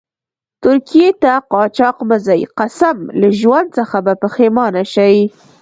ترکيې ته قاچاق مه ځئ، قسم لا ژوند څخه به پیښمانه شئ.